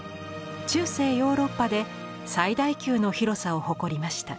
中世ヨーロッパで最大級の広さを誇りました。